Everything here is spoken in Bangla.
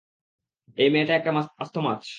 এই মেয়েটা একটা আস্ত মাছ।